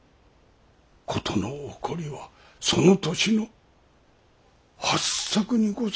事の起こりはその年の八朔にございました。